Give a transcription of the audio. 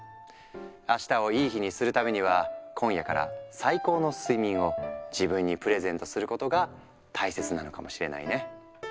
あしたをいい日にするためには今夜から最高の睡眠を自分にプレゼントすることが大切なのかもしれないね。